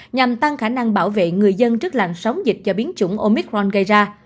nhằm tăng khả năng bảo vệ người dân trước làn sóng dịch do biến chủng omicron gây ra